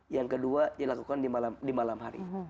yang kedua dilakukan di malam hari